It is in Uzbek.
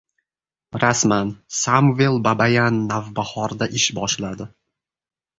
Rasman! Samvel Babayan «Navbahor»da ish boshladi